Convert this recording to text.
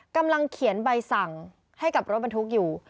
กำลังเขียนใบสั่งให้กับรถบรรทุกอยู่